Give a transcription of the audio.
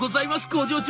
工場長！